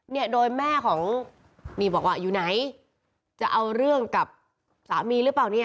เนี่ยโดยแม่ของนี่บอกว่าอยู่ไหนจะเอาเรื่องกับสามีหรือเปล่าเนี่ย